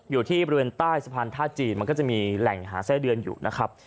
อยู่ที่บริเวณใต้สะพานท่าจีนมันก็จะมีแหล่งหาไส้เดือนอยู่นะครับ